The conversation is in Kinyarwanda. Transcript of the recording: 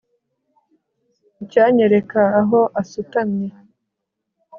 icyanyereka aho asutamye